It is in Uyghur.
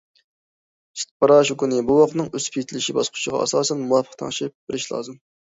سۈت پاراشوكىنى بوۋاقنىڭ ئۆسۈپ يېتىلىش باسقۇچىغا ئاساسەن مۇۋاپىق تەڭشەپ بېرىش لازىم.